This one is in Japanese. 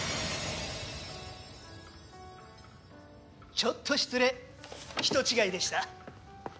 ちょっと失礼人違いでした。